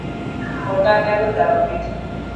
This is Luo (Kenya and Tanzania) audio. Ok ahero dhao gi ji